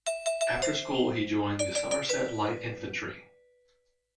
After school he joined the Somerset Light Infantry.